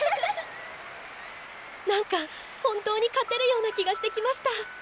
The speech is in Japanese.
何か本当に勝てるような気がしてきました！